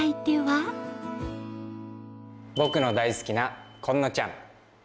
僕の大好きな今野ちゃん。